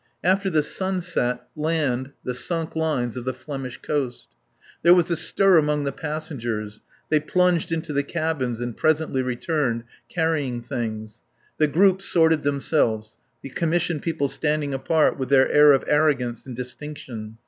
After the sunset, land, the sunk lines of the Flemish coast. There was a stir among the passengers; they plunged into the cabins and presently returned, carrying things. The groups sorted themselves, the Commission people standing apart with their air of arrogance and distinction.